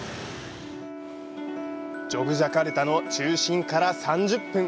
ジョグジャカルタの中心から３０分。